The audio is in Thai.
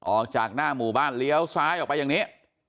ออกจากหน้าหมู่บ้านเลี้ยวซ้ายออกไปอย่างนี้